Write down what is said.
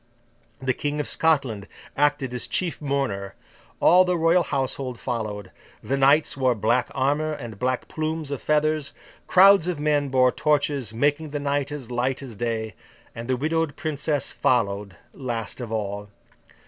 The King of Scotland acted as chief mourner, all the Royal Household followed, the knights wore black armour and black plumes of feathers, crowds of men bore torches, making the night as light as day; and the widowed Princess followed last of all.